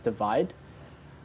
saya ingin menggabungkan ini